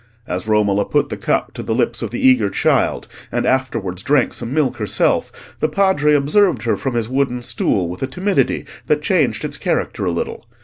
As Romola put the cup to the lips of the eager child, and afterwards drank some milk herself, the Padre observed her from his wooden stool with a timidity that changed its character a little.